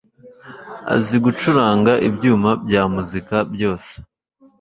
azi gucuranga ibyuma bya muzika byose